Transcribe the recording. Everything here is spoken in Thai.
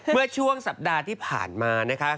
เมื่อช่วงสัปดาห์ที่ผ่านมานะคะ